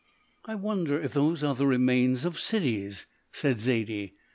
"I wonder if those are the remains of cities," said Zaidie.